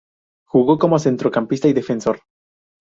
Jugó como centrocampista y defensor.